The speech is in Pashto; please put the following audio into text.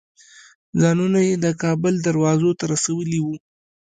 ځانونه یې د کابل دروازو ته رسولي وو.